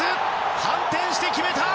反転して決めた！